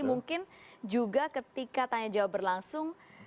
mungkin juga ketika tanya jawab berlangsung